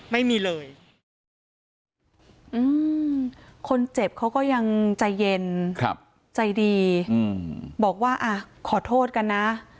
ไม่มีเลยคนเจ็บเขาก็ยังใจเย็นใจดีบอกว่าอ่ะขอโทษกันนะ